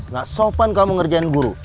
gak sopan kamu ngerjain guru